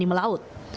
tidak berani melaut